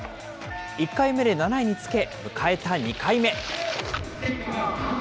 １回目で７位につけ、迎えた２回目。